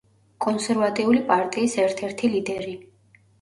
კონსერვატიული პარტიის ერთ-ერთი ლიდერი.